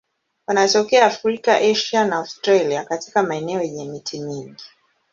Wanatokea Afrika, Asia na Australia katika maeneo yenye miti mingi.